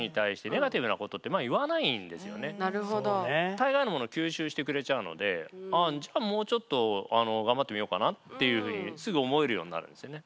大概のものを吸収してくれちゃうのでじゃあもうちょっと頑張ってみようかなっていうふうにすぐ思えるようになるんですよね。